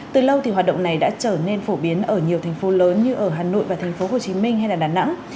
từ lâu thì hoạt động này đã trở nên phổ biến ở nhiều thành phố lớn như ở hà nội và thành phố hồ chí minh hay là đà nẵng